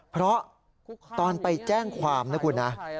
เพราะตอนไปแจ้งความนะคุณนะ